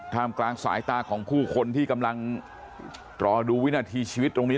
กลางสายตาของผู้คนที่กำลังรอดูวินาทีชีวิตตรงนี้